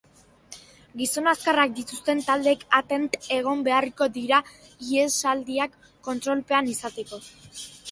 Gizon azkarrak dituzten taldeek atent egon beharko dira ihesaldiak kontrolpean izateko.